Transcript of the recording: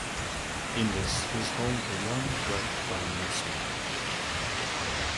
Indus is home to one bright binary star.